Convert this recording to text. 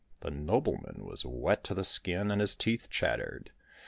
The nobleman was wet to the skin, and his teeth chattered.